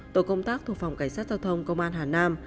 tổ công tác thuộc phòng cảnh sát giao thông công an hà nam